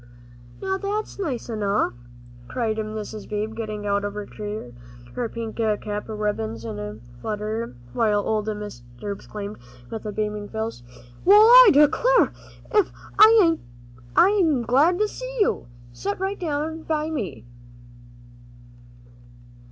"Now that's nice enough," cried Mrs. Beebe, getting out of her chair, her pink cap ribbons all in a flutter, while old Mr. Beebe exclaimed, with a beaming face, "Well, I declare! ef I ain't glad to see you. Set right down by me."